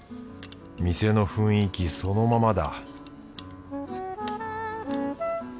店の雰囲気そのままだ